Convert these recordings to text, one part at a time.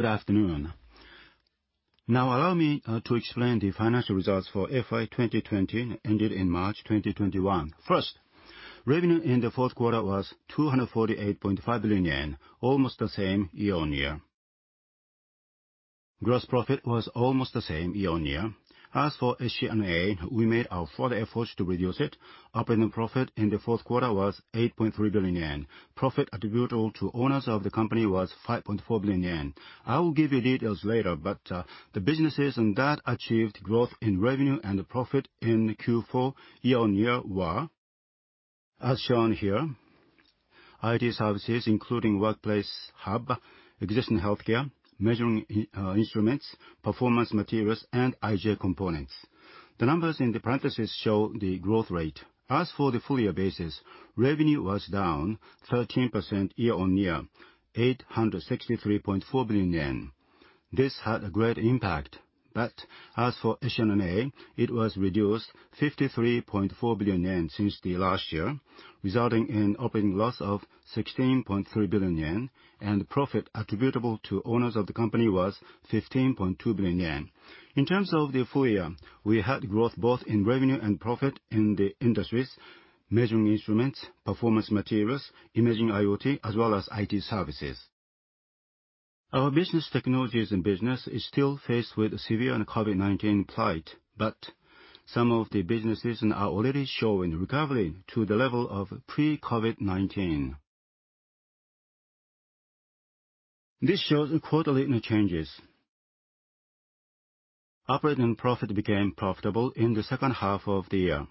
Good afternoon. Now allow me to explain the financial results for FY 2020, ended in March 2021. First, revenue in the fourth quarter was 248.5 billion yen, almost the same year-on-year. Gross profit was almost the same year-on-year. As for SG&A, we made a further effort to reduce it. Operating profit in the fourth quarter was 8.3 billion yen. Profit attributable to owners of the company was 5.4 billion yen. I will give you details later, but the businesses that achieved growth in revenue and the profit in Q4 year-on-year were as shown here. IT services, including Workplace Hub, existing healthcare, measuring instruments, performance materials, and IJ components. The numbers in the parentheses show the growth rate. As for the full year basis, revenue was down 13% year-on-year, 863.4 billion yen. This had a great impact, but as for HC&A, it was reduced 53.4 billion yen since the last year, resulting in operating loss of 16.3 billion yen, and profit attributable to owners of the company was 15.2 billion yen. In terms of the full year, we had growth both in revenue and profit in the industries, measuring instruments, performance materials, emerging IoT, as well as IT services. Our business technologies and business is still faced with severe COVID-19 plight, but some of the businesses are already showing recovery to the level of pre-COVID-19. This shows quarterly changes. Operating profit became profitable in the second half of the year.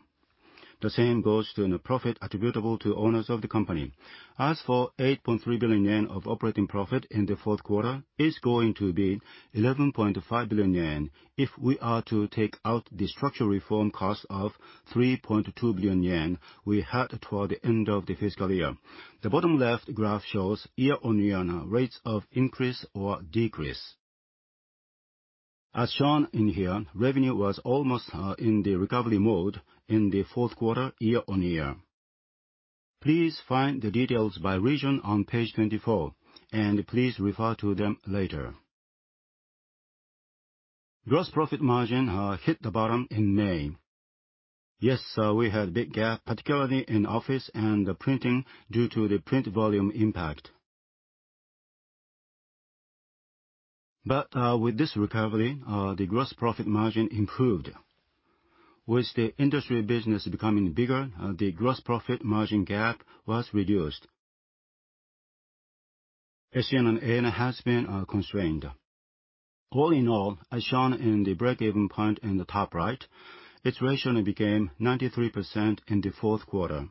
The same goes to profit attributable to owners of the company. As for 8.3 billion yen of operating profit in the fourth quarter, it's going to be 11.5 billion yen, if we are to take out the structural reform cost of 3.2 billion yen we had toward the end of the fiscal year. The bottom left graph shows year-on-year rates of increase or decrease. As shown in here, revenue was almost in the recovery mode in the fourth quarter, year-on-year. Please find the details by region on page 24, and please refer to them later. Gross profit margin hit the bottom in May. Yes, we had a big gap, particularly in office and professional print due to the print volume impact. With this recovery, the gross profit margin improved. With the industry business becoming bigger, the gross profit margin gap was reduced. HC&A has been constrained. All in all, as shown in the break-even point in the top right, its ratio became 93% in the fourth quarter.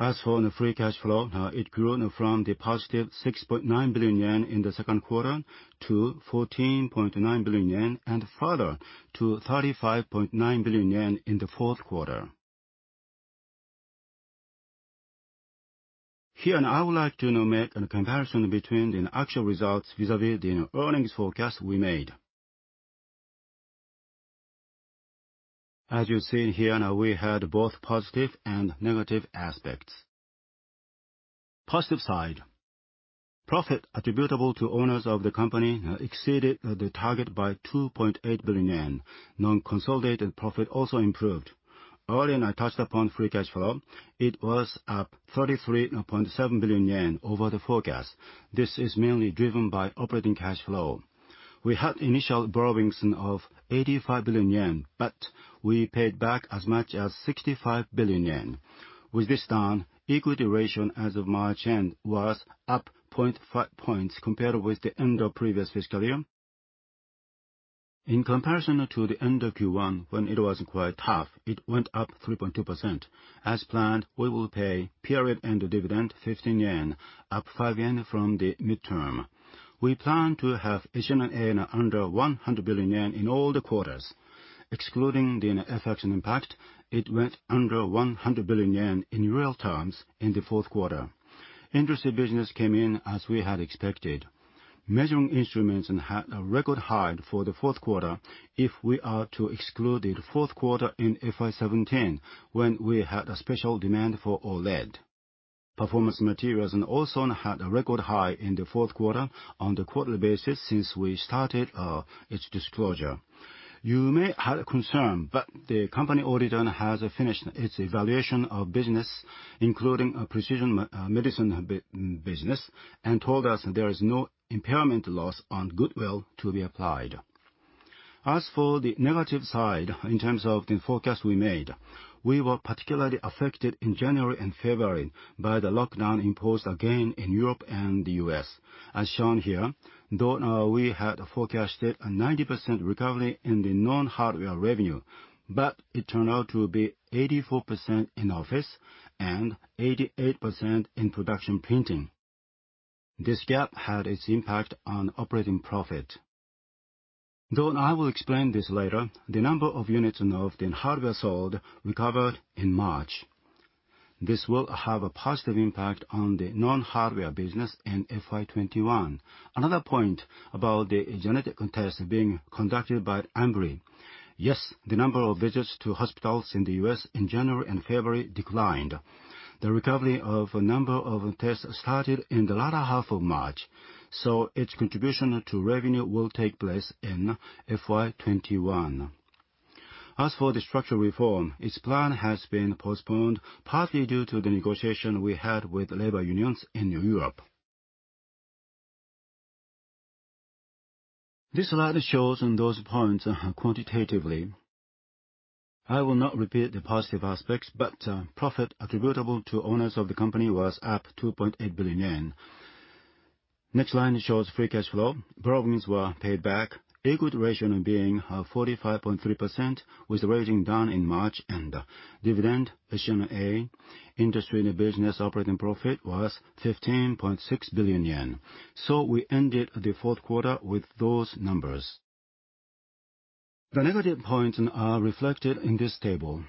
As for the free cash flow, it grew from the positive 6.9 billion yen in the second quarter to 14.9 billion yen, and further to 35.9 billion yen in the fourth quarter. Here, I would like to now make a comparison between the actual results vis-à-vis the earnings forecast we made. As you see here, now we had both positive and negative aspects. Positive side. Profit attributable to owners of the company exceeded the target by 2.2 billion yen. Non-consolidated profit also improved. Earlier, I touched upon free cash flow. It was up 33.7 billion yen over the forecast. This is mainly driven by operating cash flow. We had initial borrowings of 85 billion yen, but we paid back as much as 65 billion yen. With this done, equity ratio as of March end was up 0.5 points compared with the end of previous fiscal year. In comparison to the end of Q1, when it was quite half, it went up 3.2%. As planned, we will pay period end dividend 15 yen, up 5 yen from the midterm. We plan to have SG&A under 100 billion yen in all the quarters. Excluding the FX impact, it went under 100 billion yen in real terms in the fourth quarter. Industry Business came in as we had expected. Measuring Instruments had a record high for the fourth quarter if we are to exclude the fourth quarter in FY 2017, when we had a special demand for OLED. Performance Materials also had a record high in the fourth quarter on the quarterly basis since we started its disclosure. You may have a concern, but the company auditor has finished its evaluation of business, including precision medicine business, and told us there is no impairment loss on goodwill to be applied. As for the negative side, in terms of the forecast we made, we were particularly affected in January and February by the lockdown imposed again in Europe and the U.S. As shown here, though we had forecasted a 90% recovery in the non-hardware revenue, but it turned out to be 84% in office and 88% in production printing. This gap had its impact on operating profit. Though I will explain this later, the number of units of the hardware sold recovered in March. This will have a positive impact on the non-hardware business in FY 2021. Another point about the genetic test being conducted by Ambry. Yes, the number of visits to hospitals in the U.S. in January and February declined. The recovery of a number of tests started in the latter half of March, so its contribution to revenue will take place in FY 2021. As for the structural reform, its plan has been postponed partly due to the negotiation we had with labor unions in Europe. This slide shows those points quantitatively. I will not repeat the positive aspects, but profit attributable to owners of the company was up 2.8 billion yen. Next line shows free cash flow. Loans were paid back, equity ratio being 45.3% with the rating done in March, and dividend. Industry business operating profit was 15.6 billion yen. We ended the fourth quarter with those numbers. The negative points are reflected in this table.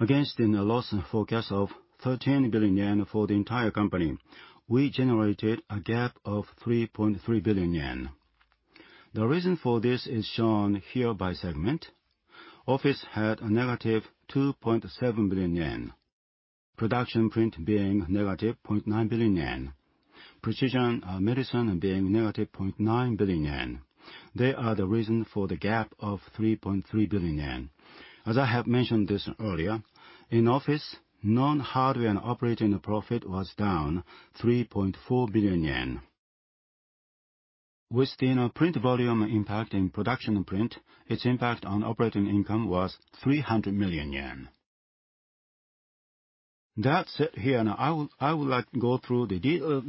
Against a loss forecast of 13 billion yen for the entire company, we generated a gap of 3.3 billion yen. The reason for this is shown here by segment. Office had a -2.7 billion yen. Professional print being -0.9 billion yen. Precision Medicine being -0.9 billion yen. They are the reason for the gap of 3.3 billion yen. As I have mentioned this earlier, in Office, non-hardware operating profit was down 3.4 billion yen. With the print volume impact in professional print, its impact on operating income was 300 million yen. Here I would like to go through the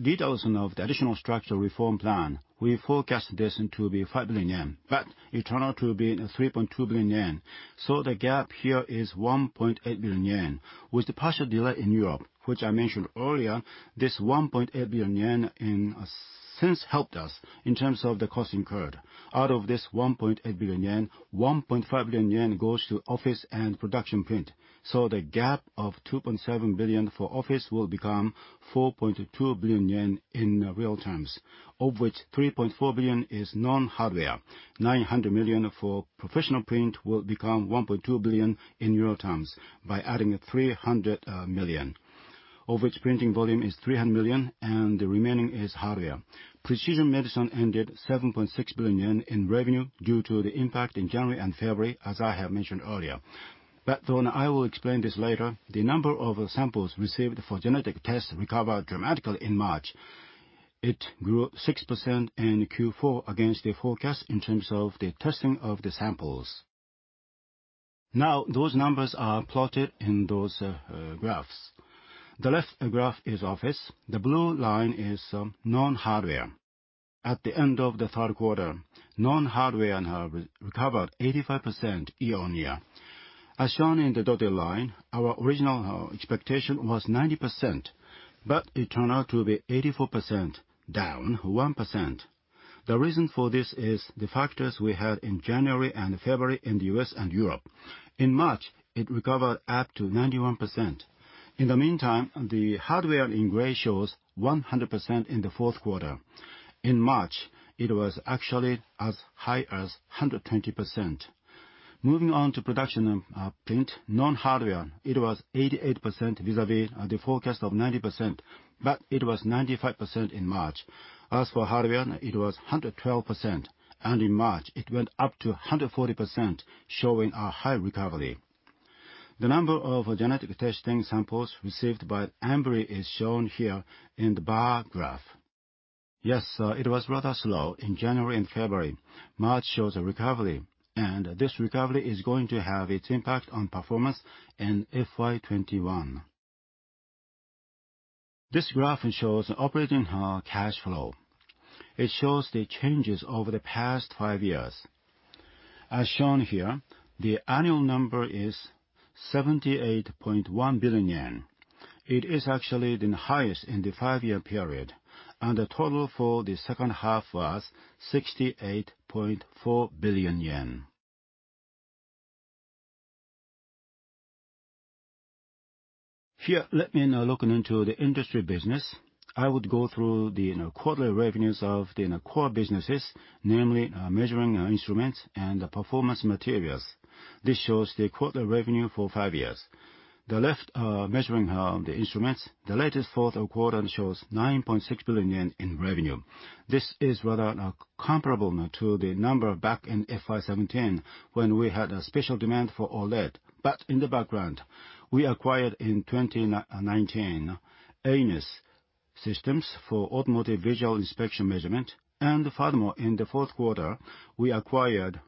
details of the additional structural reform plan. We forecast this to be 5 billion yen, it turned out to be 3.2 billion yen. The gap here is 1.8 billion yen. With the partial delay in Europe, which I mentioned earlier, this 1.8 billion yen since helped us in terms of the cost incurred. Out of this 1.8 billion yen, 1.5 billion yen goes to office and production print. The gap of 2.7 billion for office will become 4.2 billion yen in real terms, of which 3.4 billion is non-hardware. 900 million for professional print will become 1.2 billion in euro terms by adding 300 million, of which printing volume is 300 million and the remaining is hardware. Precision medicine ended 7.6 billion yen in revenue due to the impact in January and February, as I have mentioned earlier. I will explain this later, the number of samples received for genetic tests recovered dramatically in March. It grew 6% in Q4 against the forecast in terms of the testing of the samples. Now those numbers are plotted in those graphs. The left graph is office. The blue line is non-hardware. At the end of the third quarter, non-hardware recovered 85% year-on-year. As shown in the dotted line, our original expectation was 90%, but it turned out to be 84%, down 1%. The reason for this is the factors we had in January and February in the U.S. and Europe. In March, it recovered up to 91%. In the meantime, the hardware in gray shows 100% in the fourth quarter. In March, it was actually as high as 120%. Moving on to professional print, non-hardware, it was 88% vis-à-vis the forecast of 90%, but it was 95% in March. As for hardware, it was 112%, and in March, it went up to 140%, showing a high recovery. The number of genetic testing samples received by Ambry is shown here in the bar graph. Yes, it was rather slow in January and February. March shows a recovery, this recovery is going to have its impact on performance in FY 2021. This graph shows operating cash flow. It shows the changes over the past five years. As shown here, the annual number is 78.1 billion yen. It is actually the highest in the five-year period, the total for the second half was 68.4 billion yen. Here, let me look into the industry business. I would go through the quarterly revenues of the core businesses, namely measuring instruments and performance materials. This shows the quarterly revenue for five years. The left measuring the instruments, the latest fourth quarter shows 9.6 billion yen in revenue. This is rather comparable to the number back in FY 2017 when we had a special demand for OLED. In the background, we acquired in 2019 EINES Systems for automotive visual inspection measurement, and furthermore, in the fourth quarter, we acquired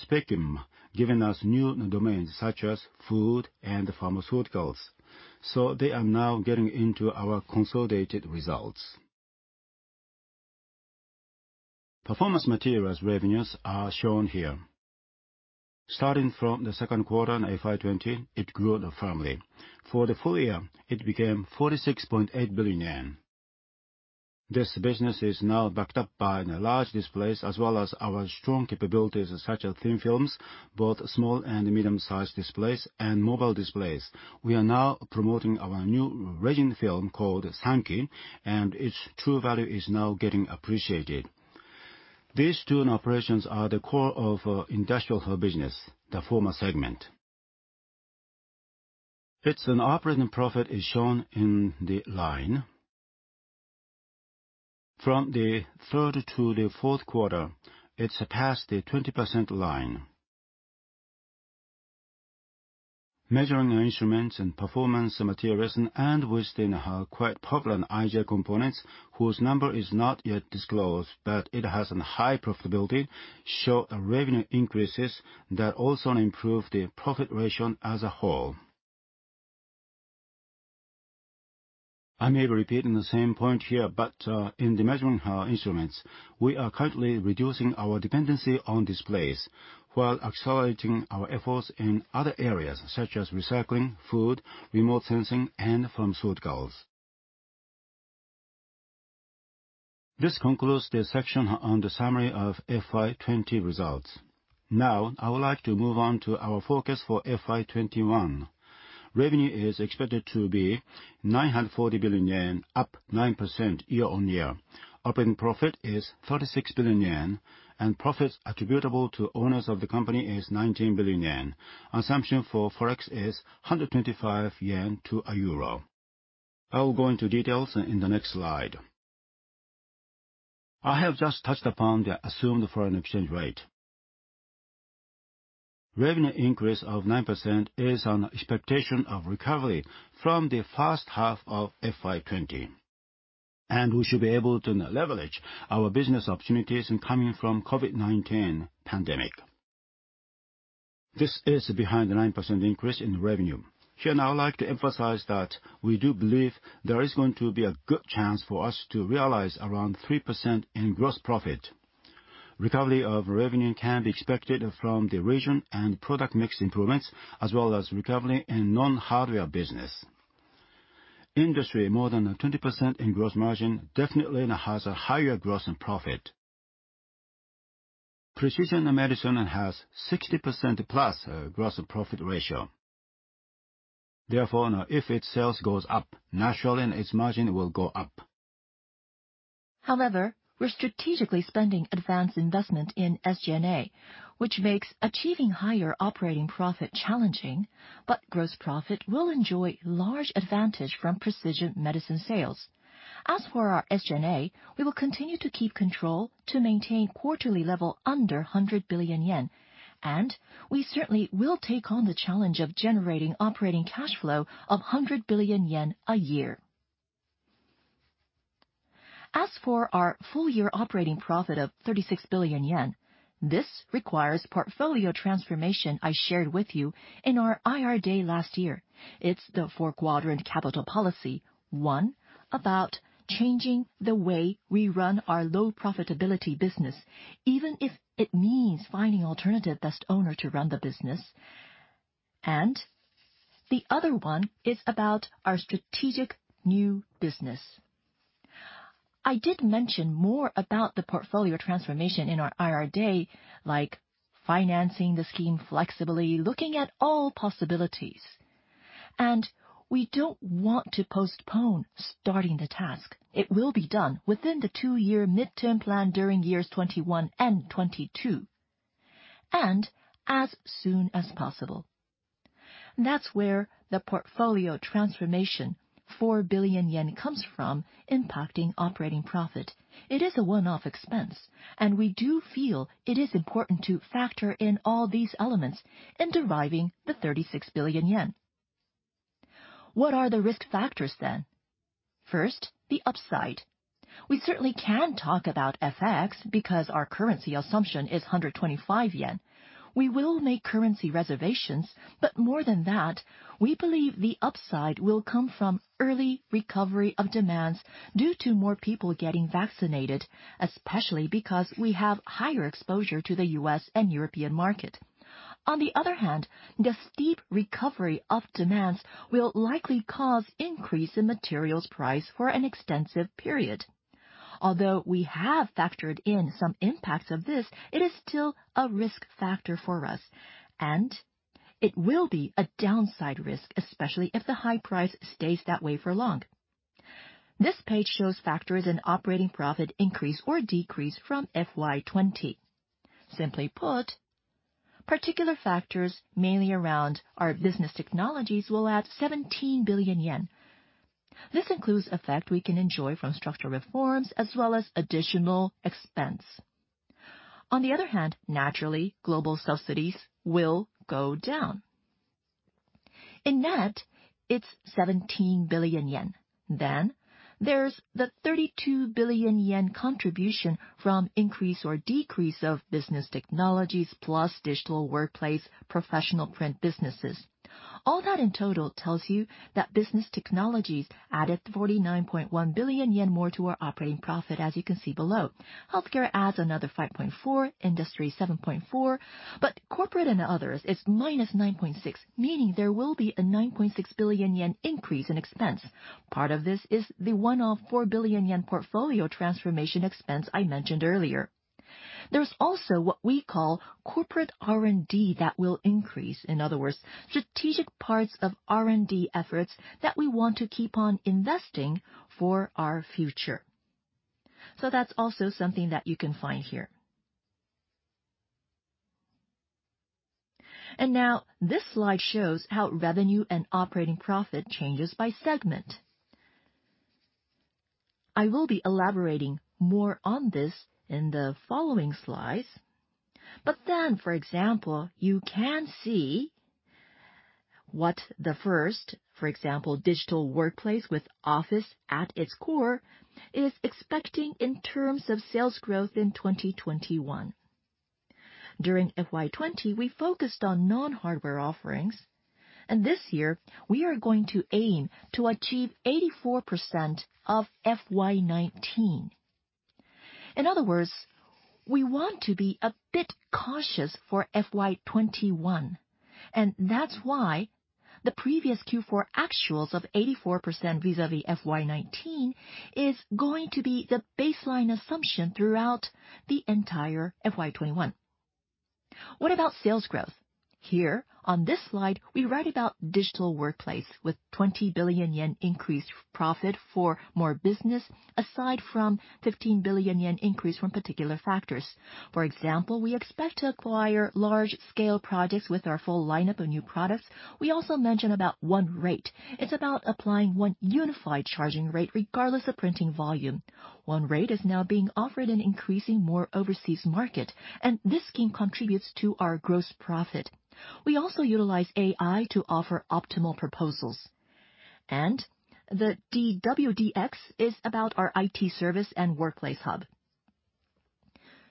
Specim, giving us new domains such as food and pharmaceuticals. They are now getting into our consolidated results. Performance materials revenues are shown here. Starting from the second quarter in FY 2020, it grew firmly. For the full year, it became 46.8 billion yen. This business is now backed up by large displays as well as our strong capabilities such as thin films, both small and medium-sized displays, and mobile displays. We are now promoting our new resin film called SANUQI, and its true value is now getting appreciated. These two operations are the core of industrial business, the former segment. Its operating profit is shown in the line. From the third to the fourth quarter, it surpassed the 20% line. Measuring instruments and performance materials and within our quite popular IJ components, whose number is not yet disclosed, but it has a high profitability, show revenue increases that also improve the profit ratio as a whole. I may be repeating the same point here, but in the measuring instruments, we are currently reducing our dependency on displays while accelerating our efforts in other areas such as recycling, food, remote sensing, and pharmaceuticals. This concludes the section on the summary of FY 2020 results. Now, I would like to move on to our forecast for FY 2021. Revenue is expected to be 940 billion yen, up 9% year-on-year. Operating profit is 36 billion yen, and profits attributable to owners of the company is 19 billion yen. Assumption for Forex is 125 yen to a euro. I will go into details in the next slide. I have just touched upon the assumed foreign exchange rate. Revenue increase of 9% is an expectation of recovery from the first half of FY 2020, and we should be able to leverage our business opportunities coming from COVID-19 pandemic. This is behind the 9% increase in revenue. Here, I would like to emphasize that we do believe there is going to be a good chance for us to realize around 3% in gross profit. Recovery of revenue can be expected from the region and product mix improvements, as well as recovery in non-hardware business. Industry more than 20% in gross margin definitely has a higher gross profit. Precision Medicine has 60%+ gross profit ratio. Therefore, if its sales goes up, naturally, its margin will go up. We're strategically spending advanced investment in SG&A, which makes achieving higher operating profit challenging, but gross profit will enjoy large advantage from Precision Medicine sales. As for our SG&A, we will continue to keep control to maintain quarterly level under 100 billion yen, and we certainly will take on the challenge of generating operating cash flow of 100 billion yen a year. As for our full year operating profit of 36 billion yen, this requires portfolio transformation I shared with you in our IR day last year. It's the four-quadrant capital policy, one, about changing the way we run our low profitability business, even if it means finding alternative best owner to run the business. The other one is about our strategic new business. I did mention more about the portfolio transformation in our IR day, like financing the scheme flexibly, looking at all possibilities. We don't want to postpone starting the task. It will be done within the two-year midterm plan during years 2021 and 2022, and as soon as possible. That's where the portfolio transformation 4 billion yen comes from impacting operating profit. It is a one-off expense, and we do feel it is important to factor in all these elements in deriving the 36 billion yen. What are the risk factors then? First, the upside. We certainly can talk about FX because our currency assumption is 125 yen. We will make currency reservations, but more than that, we believe the upside will come from early recovery of demands due to more people getting vaccinated, especially because we have higher exposure to the US and European market. On the other hand, the steep recovery of demands will likely cause increase in materials price for an extensive period. Although we have factored in some impacts of this, it is still a risk factor for us, and it will be a downside risk, especially if the high price stays that way for long. This page shows factors in operating profit increase or decrease from FY 2020. Simply put, particular factors, mainly around our business technologies, will add 17 billion yen. This includes effect we can enjoy from structural reforms as well as additional expense. Naturally, global subsidies will go down. In net, it's 17 billion yen. There's the 32 billion yen contribution from increase or decrease of business technologies plus Digital Workplace professional print businesses. All that in total tells you that business technologies added 49.1 billion yen more to our operating profit, as you can see below. Healthcare adds another 5.4, Industry 7.4, but Corporate & Others is -9.6, meaning there will be a 9.6 billion yen increase in expense. Part of this is the one-off 4 billion yen portfolio transformation expense I mentioned earlier. There's also what we call corporate R&D that will increase, in other words, strategic parts of R&D efforts that we want to keep on investing for our future. That's also something that you can find here. Now this slide shows how revenue and operating profit changes by segment. I will be elaborating more on this in the following slides. For example, you can see what the first, for example, Digital Workplace with Office at its core, is expecting in terms of sales growth in 2021. During FY 2020, we focused on non-hardware offerings, and this year we are going to aim to achieve 84% of FY 2019. In other words, we want to be a bit cautious for FY 2021, that's why the previous Q4 actuals of 84% vis-à-vis FY 2019 is going to be the baseline assumption throughout the entire FY 2021. What about sales growth? Here on this slide, we write about Digital Workplace with 20 billion yen increased profit for more business, aside from 15 billion yen increase from particular factors. For example, we expect to acquire large-scale projects with our full lineup of new products. We also mention about OneRate. It's about applying one unified charging rate regardless of printing volume. OneRate is now being offered and increasing more overseas market, this scheme contributes to our gross profit. We also utilize AI to offer optimal proposals. The DW-DX is about our IT service and Workplace Hub.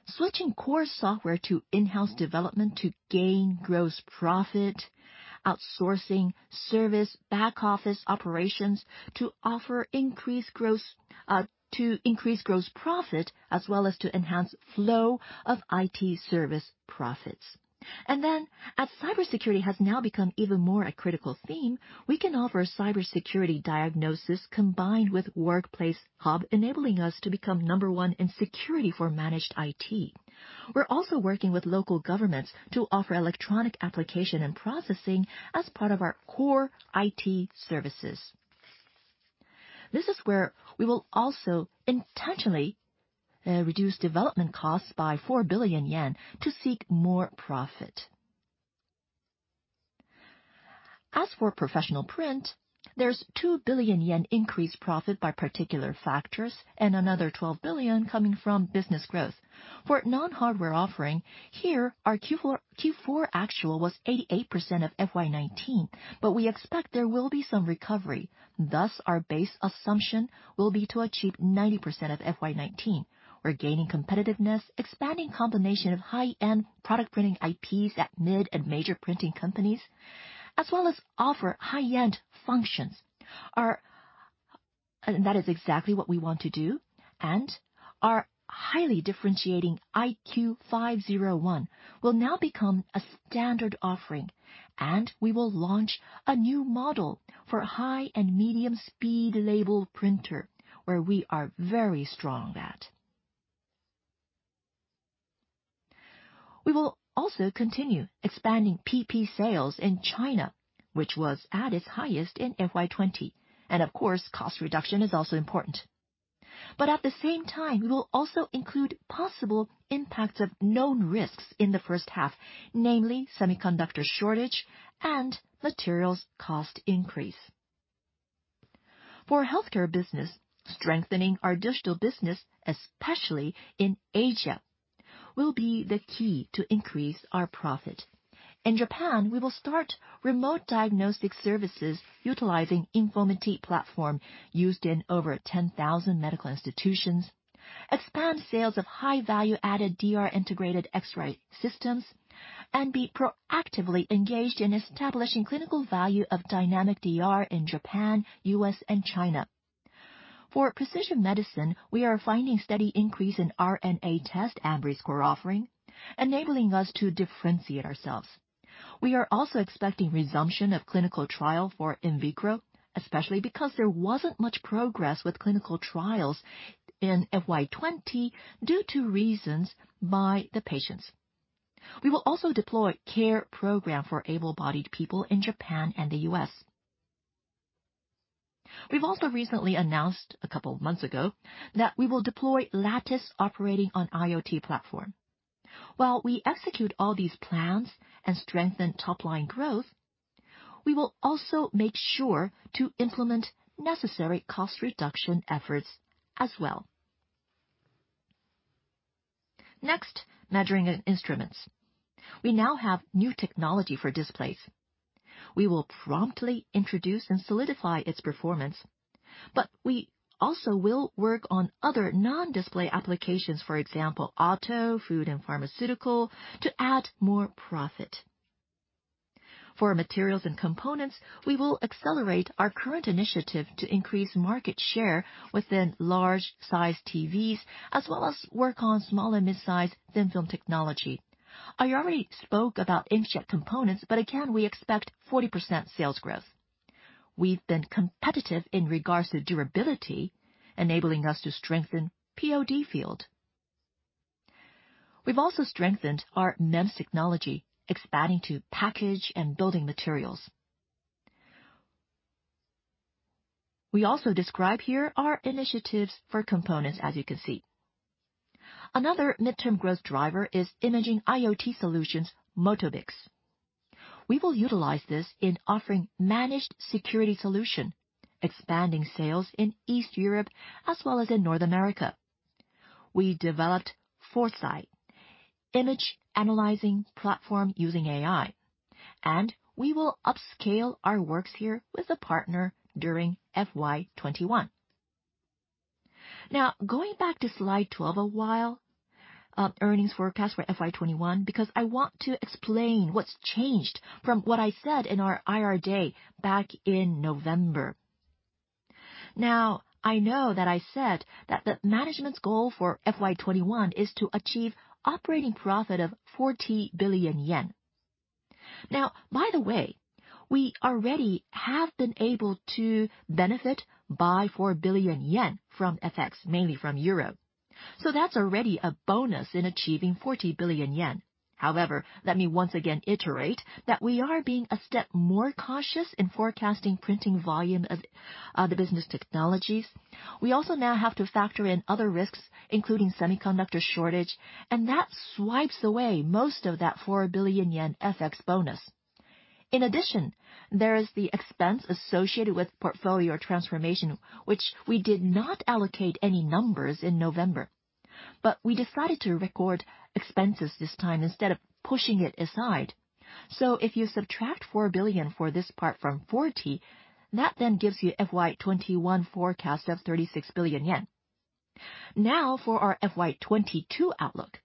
Switching core software to in-house development to gain gross profit, outsourcing service back-office operations to increase gross profit as well as to enhance flow of IT service profits. As cybersecurity has now become even more a critical theme, we can offer cybersecurity diagnosis combined with Workplace Hub, enabling us to become number one in security for managed IT. We're also working with local governments to offer electronic application and processing as part of our core IT services. This is where we will also intentionally reduce development costs by 4 billion yen to seek more profit. Professional print, there's 2 billion yen increased profit by particular factors and another 12 billion coming from business growth. Non-hardware offering, here our Q4 actual was 88% of FY 2019, but we expect there will be some recovery. Our base assumption will be to achieve 90% of FY 2019. We're gaining competitiveness, expanding combination of high-end product printing IPs at mid and major printing companies, as well as offer high-end functions. That is exactly what we want to do, and our highly differentiating IQ-501 will now become a standard offering, and we will launch a new model for high- and medium-speed label printer, where we are very strong at. We will also continue expanding PP sales in China, which was at its highest in FY 2020. Of course, cost reduction is also important. At the same time, we will also include possible impacts of known risks in the first half, namely semiconductor shortage and materials cost increase. For healthcare business, strengthening our digital business, especially in Asia, will be the key to increase our profit. In Japan, we will start remote diagnostic services utilizing INFOMITY platform used in over 10,000 medical institutions, expand sales of high value added DR integrated X-ray systems, be proactively engaged in establishing clinical value of Dynamic DR in Japan, U.S., and China. For precision medicine, we are finding steady increase in RNA test AmbryScore offering, enabling us to differentiate ourselves. We are also expecting resumption of clinical trial for Invicro, especially because there wasn't much progress with clinical trials in FY 2020 due to reasons by the patients. We will also deploy CARE Program for able-bodied people in Japan and the U.S. We've also recently announced a couple months ago that we will deploy LATTICE operating on IoT platform. While we execute all these plans and strengthen top-line growth, we will also make sure to implement necessary cost reduction efforts as well. Next, measuring instruments, we now have new technology for displays. We will promptly introduce and solidify its performance. We also will work on other non-display applications, for example, auto, food, and pharmaceutical, to add more profit. For materials and components, we will accelerate our current initiative to increase market share within large size TVs, as well as work on small and mid-size thin film technology. I already spoke about inkjet components. Again, we expect 40% sales growth. We've been competitive in regards to durability, enabling us to strengthen POD field. We've also strengthened our MEMS technology, expanding to package and building materials. We also describe here our initiatives for components, as you can see. Another midterm growth driver is imaging IoT solutions, MOBOTIX. We will utilize this in offering managed security solution, expanding sales in East Europe as well as in North America. We developed FORXAI image analyzing platform using AI, and we will upscale our works here with a partner during FY 2021. Going back to slide 12 a while, earnings forecast for FY 2021, because I want to explain what's changed from what I said in our IR day back in November. I know that I said that the management's goal for FY 2021 is to achieve operating profit of 40 billion yen. By the way, we already have been able to benefit by 4 billion yen from FX, mainly from Europe. That's already a bonus in achieving 40 billion yen. However, let me once again iterate that we are being a step more cautious in forecasting printing volume of the business technologies. We also now have to factor in other risks, including semiconductor shortage, and that swipes away most of that 4 billion yen FX bonus. In addition, there is the expense associated with portfolio transformation, which we did not allocate any numbers in November. We decided to record expenses this time instead of pushing it aside. If you subtract 4 billion for this part from 40, that then gives you FY 2021 forecast of JPY 36 billion. For our FY 2022 outlook.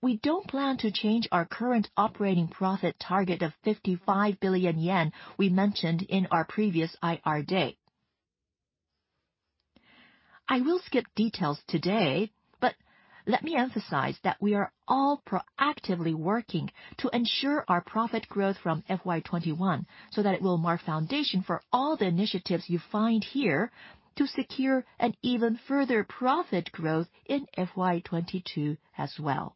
We don't plan to change our current operating profit target of 55 billion yen we mentioned in our previous IR day. I will skip details today, let me emphasize that we are all proactively working to ensure our profit growth from FY 2021 so that it will mark foundation for all the initiatives you find here to secure an even further profit growth in FY 2022 as well.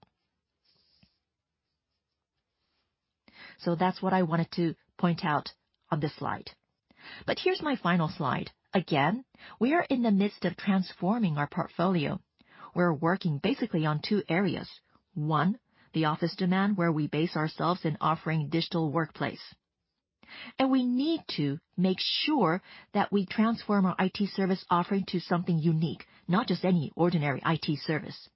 That's what I wanted to point out on this slide. Here's my final slide. Again, we are in the midst of transforming our portfolio. We're working basically on two areas. One, the office demand, where we base ourselves in offering Digital Workplace. We need to make sure that we transform our IT service offering to something unique, not just any ordinary IT service.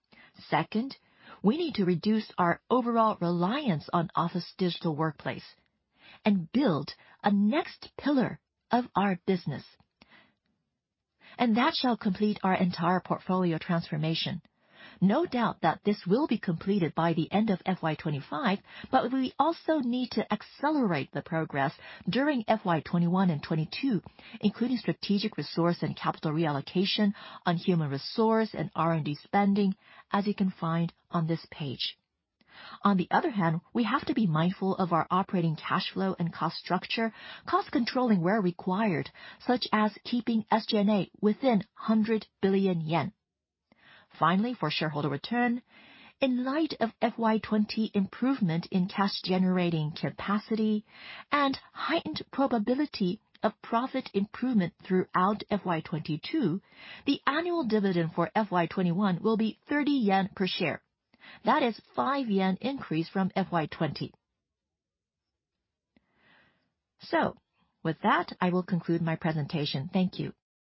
Second, we need to reduce our overall reliance on Digital Workplace and build a next pillar of our business. That shall complete our entire portfolio transformation. No doubt that this will be completed by the end of FY 2025, but we also need to accelerate the progress during FY 2021 and 2022, including strategic resource and capital reallocation on human resource and R&D spending, as you can find on this page. On the other hand, we have to be mindful of our operating cash flow and cost structure, cost controlling where required, such as keeping SG&A within 100 billion yen. Finally, for shareholder return, in light of FY 2020 improvement in cash-generating capacity and heightened probability of profit improvement throughout FY 2022, the annual dividend for FY 2021 will be 30 yen per share. That is 5 yen increase from FY 2020. With that, I will conclude my presentation. Thank you